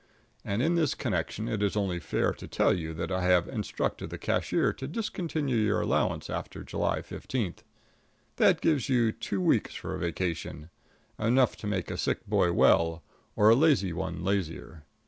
And in this connection it is only fair to tell you that I have instructed the cashier to discontinue your allowance after July 15. That gives you two weeks for a vacation enough to make a sick boy well, or a lazy one lazier.